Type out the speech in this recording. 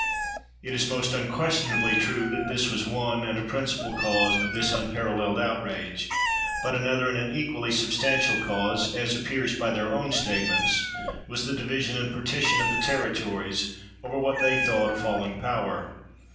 It is most unquestionably true that this was one and a principal cause of this unparalleled outrage; but another and an equally substantial cause (as appears by their own statements) was the division and partition of the territories of what they thought a falling power.